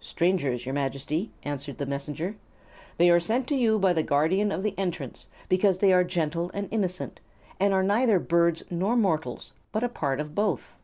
"Strangers, your Majesty," answered the Messenger. "They are sent to you by the Guardian of the Entrance because they are gentle and innocent, and are neither birds nor mortals, but a part of both."